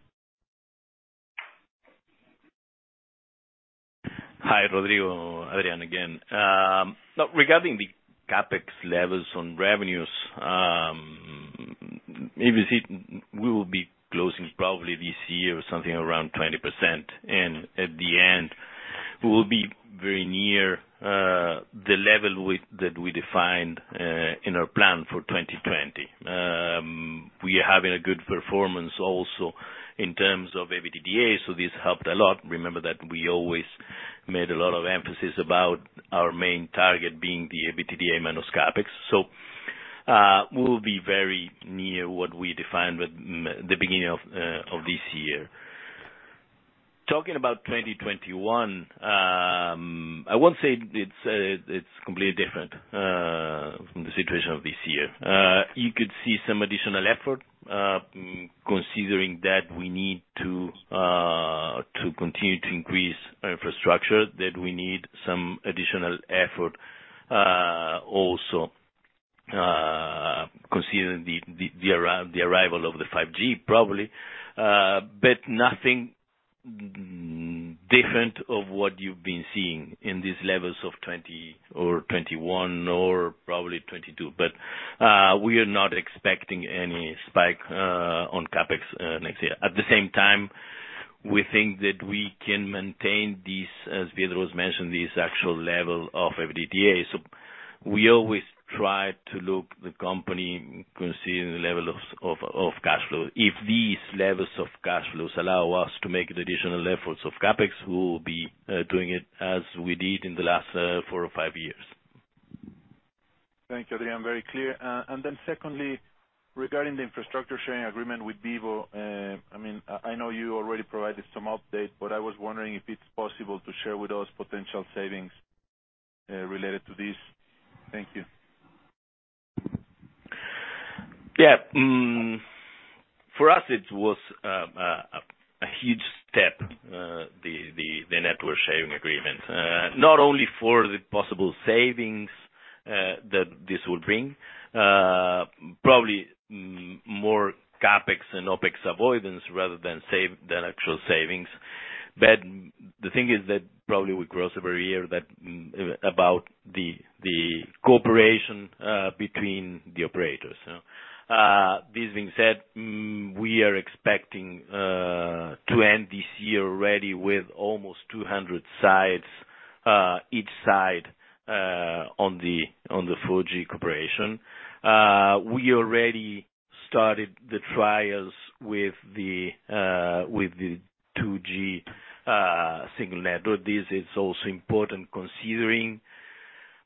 Hi, Rodrigo. Adrian again. Regarding the CapEx levels on revenues, if you see, we will be closing probably this year something around 20%, and at the end, we will be very near the level that we defined in our plan for 2020. We're having a good performance also in terms of EBITDA. This helped a lot. Remember that we always made a lot of emphasis about our main target being the EBITDA minus CapEx. We will be very near what we defined with the beginning of this year. Talking about 2021, I won't say it's completely different from the situation of this year. You could see some additional effort, considering that we need to continue to increase infrastructure, that we need some additional effort. Considering the arrival of the 5G, probably. Nothing different of what you've been seeing in these levels of 2020 or 2021 or probably 2022. We are not expecting any spike on CapEx next year. At the same time, we think that we can maintain these, as Pietro's mentioned, this actual level of EBITDA. We always try to look the company considering the level of cash flow. If these levels of cash flows allow us to make the additional efforts of CapEx, we will be doing it as we did in the last four or five years. Thanks, Adrian. Very clear. Secondly, regarding the infrastructure sharing agreement with Vivo, I know you already provided some update, but I was wondering if it's possible to share with us potential savings, related to this. Thank you. For us, it was a huge step, the network sharing agreement. Not only for the possible savings that this will bring, probably more CapEx and OpEx avoidance rather than actual savings. The thing is that probably we cross over here about the cooperation between the operators. This being said, we are expecting to end this year ready with almost 200 sites, each site on the 4G cooperation. We already started the trials with the 2G single network. This is also important considering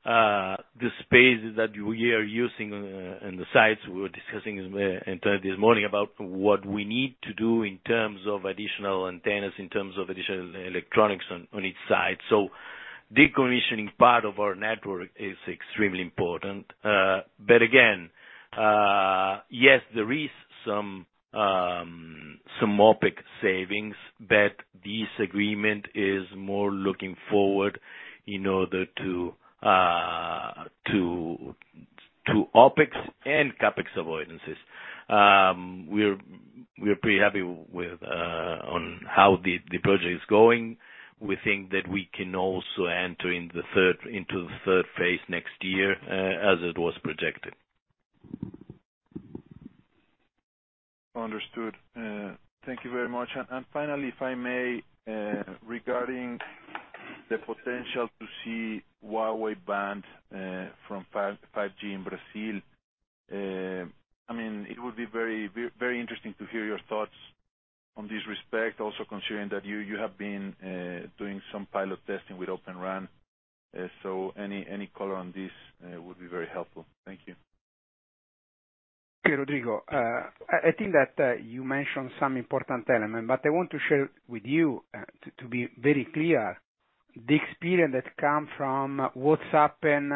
the space that we are using and the sites. We were discussing internally this morning about what we need to do in terms of additional antennas, in terms of additional electronics on each site. Decommissioning part of our network is extremely important. Again, yes, there is some OpEx savings, but this agreement is more looking forward in order to OpEx and CapEx avoidances. We're pretty happy with how the project is going. We think that we can also enter into the third phase next year, as it was projected. Understood. Thank you very much. Finally, if I may, regarding the potential to see Huawei banned from 5G in Brazil. It would be very interesting to hear your thoughts on this respect, also considering that you have been doing some pilot testing with Open RAN. Any color on this would be very helpful. Thank you. Okay, Rodrigo. I think that you mentioned some important element, but I want to share with you, to be very clear, the experience that come from what's happened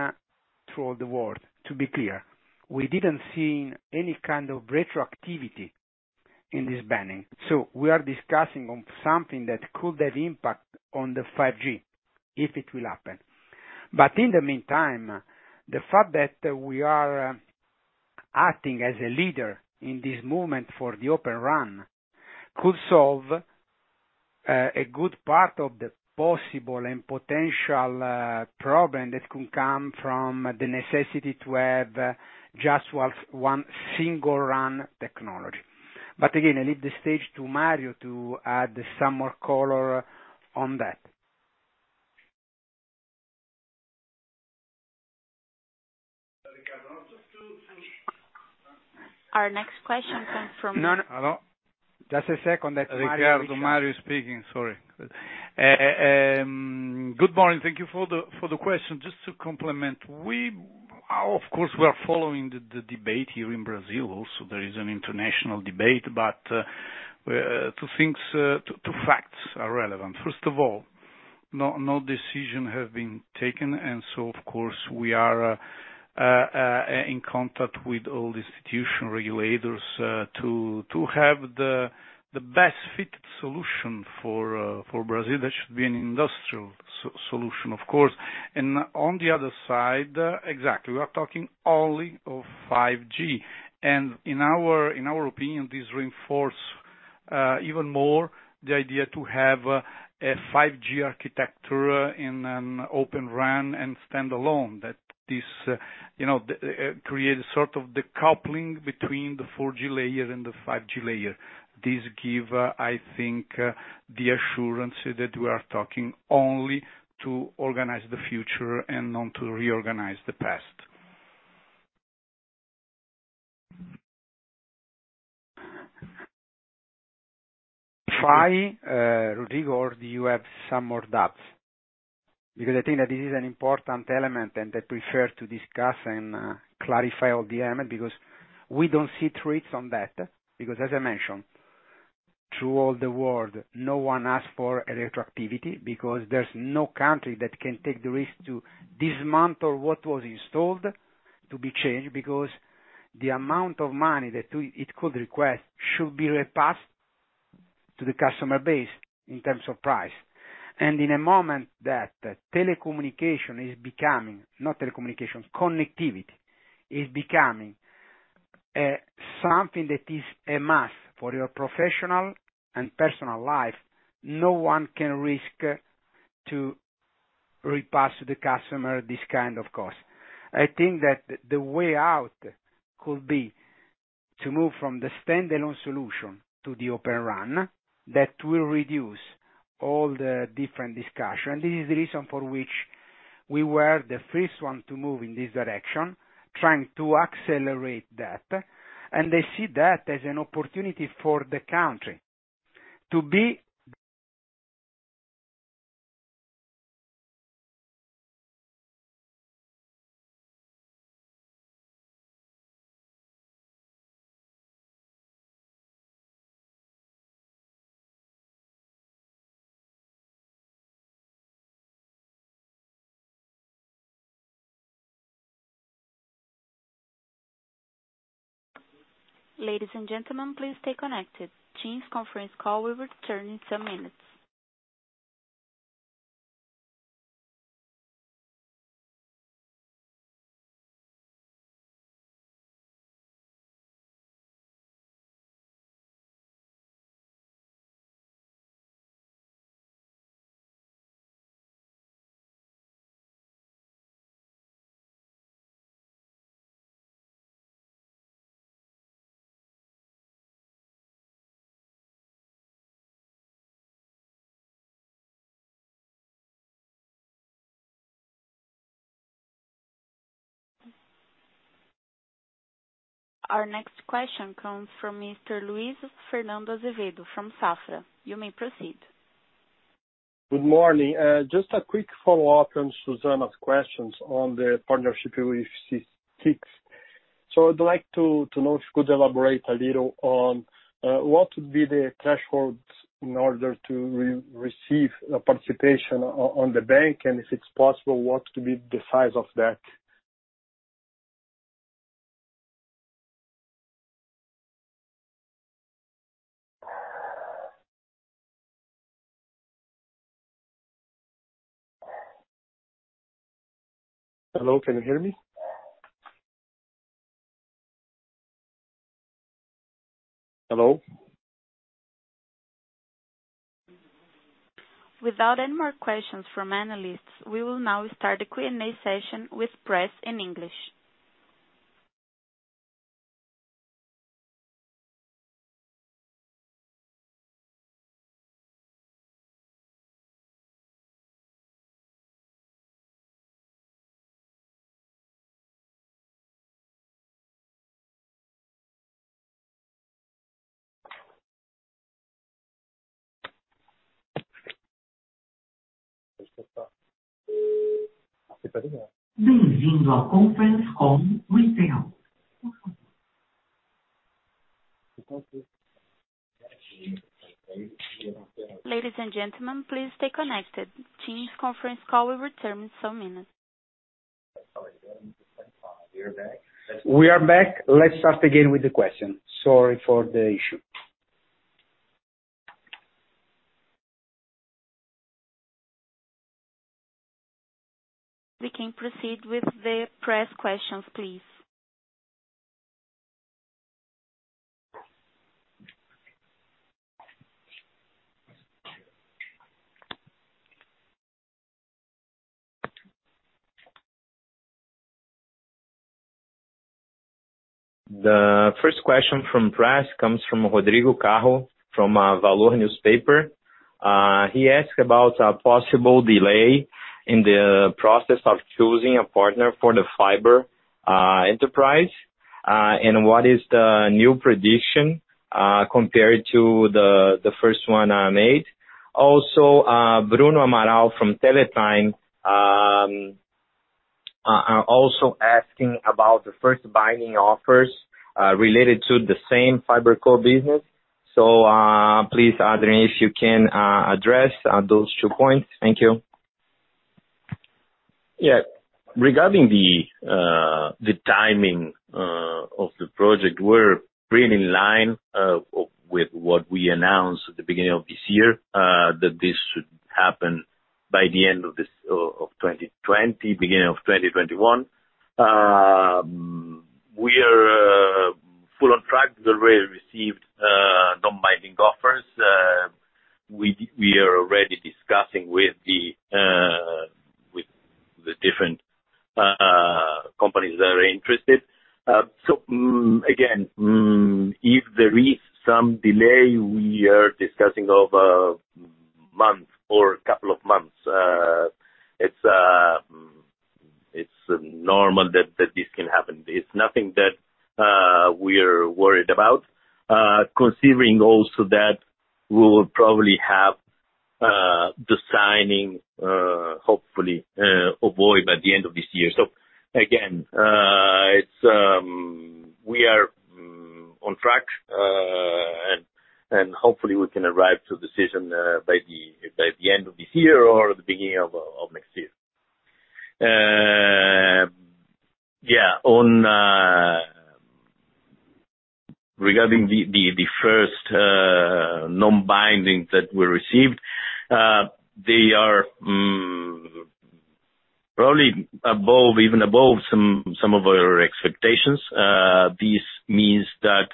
through the world, to be clear. We didn't see any kind of retroactivity in this banning. We are discussing on something that could have impact on the 5G, if it will happen. In the meantime, the fact that we are acting as a leader in this movement for the Open RAN could solve a good part of the possible and potential problem that could come from the necessity to have just one single RAN technology. Again, I leave the stage to Mario to add some more color on that. Our next question comes from. No, no. Just a second. Rodrigo, Mario speaking, sorry. Good morning. Thank you for the question. Just to complement. We are following the debate here in Brazil also. There is an international debate. Two facts are relevant. First of all, no decision has been taken. Of course we are in contact with all the institution regulators to have the best fit solution for Brazil. That should be an industrial solution, of course. On the other side, exactly, we are talking only of 5G. In our opinion, this reinforce even more the idea to have a 5G architecture in an Open RAN and standalone. This creates the coupling between the 4G layer and the 5G layer. This give, I think, the assurance that we are talking only to organize the future and not to reorganize the past. Fine, Rodrigo, or do you have some more doubts? I think that this is an important element and I prefer to discuss and clarify all the element because we don't see threats on that. As I mentioned, through all the world, no one asked for retroactivity because there's no country that can take the risk to dismantle what was installed to be changed, because the amount of money that it could request should be repassed to the customer base in terms of price. In a moment that connectivity is becoming something that is a must for your professional and personal life, no one can risk to repass the customer this kind of cost. I think that the way out could be to move from the standalone solution to the Open RAN. That will reduce all the different discussion. This is the reason for which we were the first one to move in this direction, trying to accelerate that, and I see that as an opportunity for the country. Ladies and gentlemen, please stay connected. This conference call will return in some minutes. Our next question comes from Mr. Luis Fernando Azevedo from Safra. You may proceed. Good morning. Just a quick follow-up on Susana's questions on the partnership with C6. I'd like to know if you could elaborate a little on what would be the threshold in order to receive participation on the bank, and if it's possible, what will be the size of that? Hello, can you hear me? Hello? Without any more questions from analysts, we will now start the Q&A session with press in English. Ladies and gentlemen, please stay connected. TIM's conference call will resume in some minutes. We are back. We are back. Let's start again with the questions. Sorry for the issue. We can proceed with the press questions, please. The first question from press comes from Rodrigo Carro from Valor Newspaper. He asked about a possible delay in the process of choosing a partner for the fiber enterprise. What is the new prediction compared to the first one made. Bruno Amaral from Teletime, also asking about the first binding offers related to the same fiber core business. Please, Adrian, if you can address those two points. Thank you. Yeah. Regarding the timing of the project, we're pretty in line with what we announced at the beginning of this year, that this should happen by the end of 2020, beginning of 2021. We are full on track. We already received non-binding offers. We are already discussing with the different companies that are interested. Again, if there is some delay, we are discussing over a month or a couple of months. It's normal that this can happen. It's nothing that we are worried about, considering also that we will probably have the signing, hopefully, of Oi by the end of this year. Again, we are on track, hopefully we can arrive to a decision by the end of this year or the beginning of next year. Yeah. Regarding the first non-binding that we received, they are probably even above some of our expectations. This means that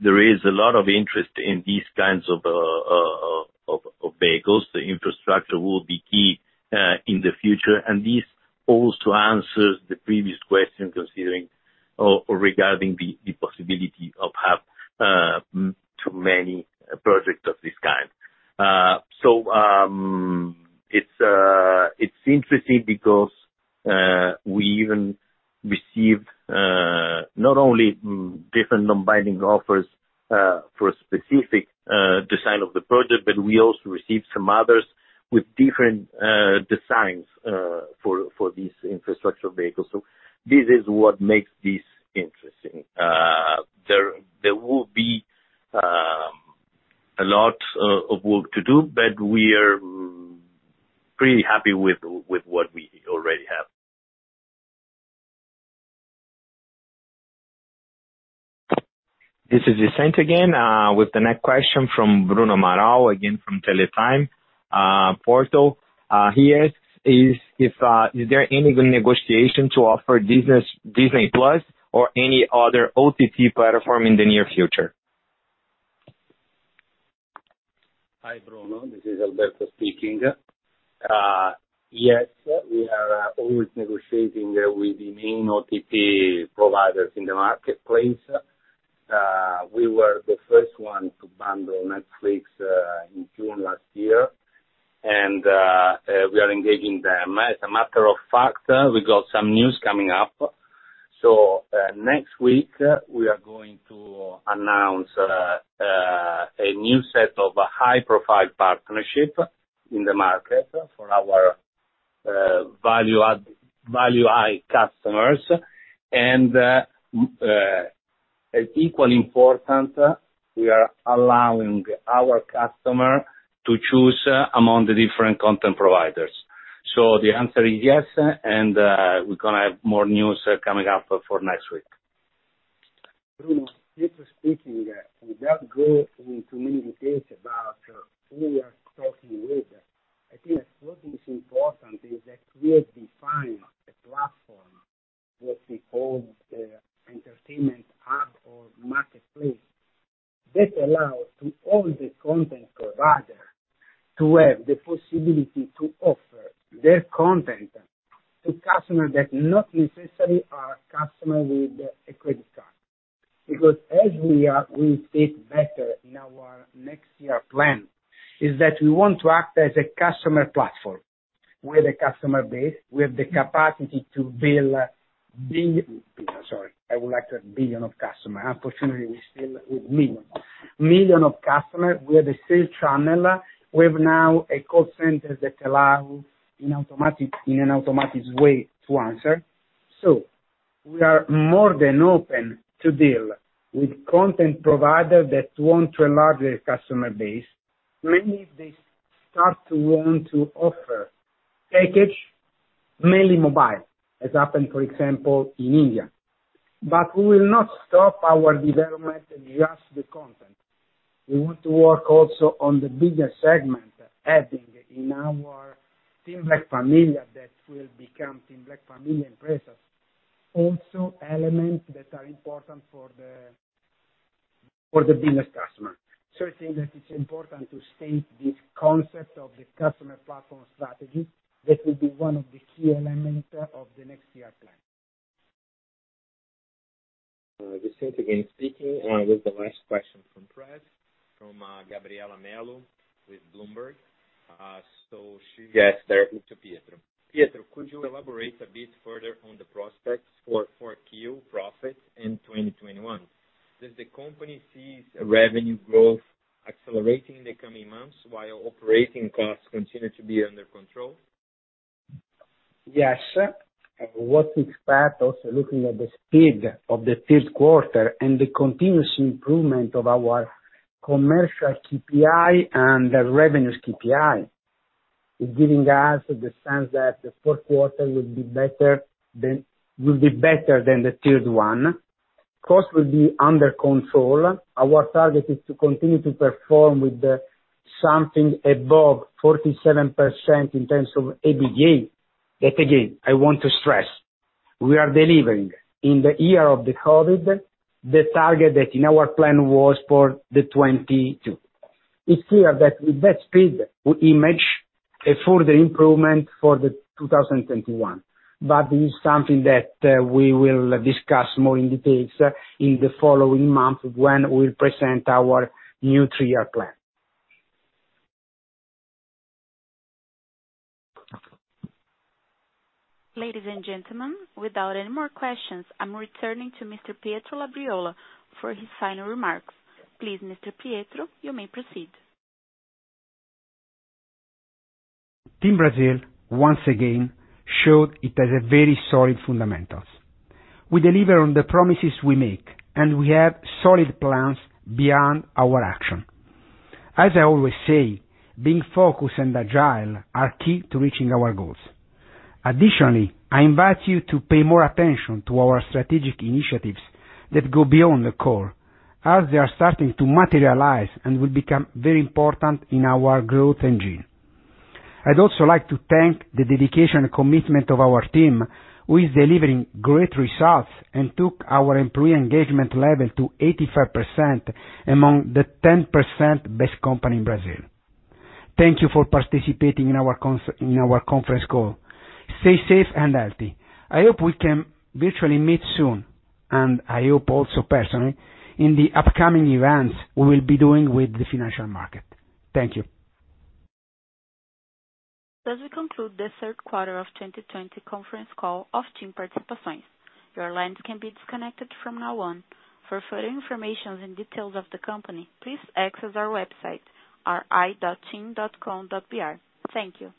there is a lot of interest in these kinds of vehicles. The infrastructure will be key in the future, and this also answers the previous question considering or regarding the possibility of have too many projects of this kind. It's interesting because we even received not only different non-binding offers for a specific design of the project, but we also received some others with different designs for these infrastructure vehicles. This is what makes this interesting. There will be a lot of work to do, but we are pretty happy with what we already have. This is Vicente again, with the next question from Bruno Amaral, again from TeletimePortal. He asks, is there any good negotiation to offer Disney+ or any other OTT platform in the near future? Hi, Bruno. This is Alberto speaking. Yes, we are always negotiating with the main OTT providers in the marketplace. We were the first one to bundle Netflix in June last year, and we are engaging them. As a matter of fact, we got some news coming up. Next week we are going to announce a new set of high-profile partnership in the market for our value-add customers. Equally important, we are allowing our customer to choose among the different content providers. The answer is yes, and we're going to have more news coming up for next week. Bruno, Pietro speaking. Without going into many details about who we are talking with, I think what is important is that we have defined a platform that we call the entertainment hub or marketplace that allow to all the content provider to have the possibility to offer their content to customer that not necessarily are customer with a credit card. Because as we state better in our next year plan, is that we want to act as a customer platform. We have the customer base. We have the capacity to build billion. Sorry, I would like to have billion of customer. Unfortunately, we're still with million of customer. We have the same channel. We have now a call center that allow in an automatic way to answer. We are more than open to deal with content provider that want to enlarge their customer base, mainly if they start to want to offer package, mainly mobile, as happened, for example, in India. We will not stop our development, just the content. We want to work also on the business segment, adding in our TIM Black Família, that will become TIM Black Família Empresas. Also elements that are important for the business customer. I think that it's important to state this concept of the customer platform strategy that will be one of the key elements of the next year plan. Vicente again speaking. With the last question from press, from Gabriela Mello with Bloomberg. Yes. There to Pietro. Pietro, could you elaborate a bit further on the prospects for Q profit in 2021? Does the company sees revenue growth accelerating in the coming months while operating costs continue to be under control? Yes. What we expect, also looking at the speed of the fourth quarter and the continuous improvement of our commercial KPI and the revenues KPI, is giving us the sense that the fourth quarter will be better than the third one. Cost will be under control. Our target is to continue to perform with something above 47% in terms of ABG. Again, I want to stress, we are delivering in the year of the COVID, the target that in our plan was for the 2022. It's clear that with that speed, we imagine a further improvement for the 2021. This is something that we will discuss more in detail in the following month when we'll present our new three-year plan. Ladies and gentlemen, without any more questions, I'm returning to Mr. Pietro Labriola for his final remarks. Please, Mr. Pietro, you may proceed. TIM Brasil, once again, showed it has a very solid fundamentals. We deliver on the promises we make, and we have solid plans beyond our action. As I always say, being focused and agile are key to reaching our goals. Additionally, I invite you to pay more attention to our strategic initiatives that go Beyond the Core, as they are starting to materialize and will become very important in our growth engine. I'd also like to thank the dedication and commitment of our team, who is delivering great results and took our employee engagement level to 85% among the 10% best company in Brazil. Thank you for participating in our conference call. Stay safe and healthy. I hope we can virtually meet soon, and I hope also personally, in the upcoming events we will be doing with the financial market. Thank you. Thus, we conclude the third quarter of 2020 conference call of TIM Participações. Your lines can be disconnected from now on. For further information and details of the company, please access our website, ri.tim.com.br. Thank you.